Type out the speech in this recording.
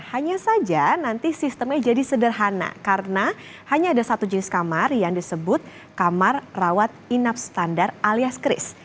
hanya saja nanti sistemnya jadi sederhana karena hanya ada satu jenis kamar yang disebut kamar rawat inap standar alias kris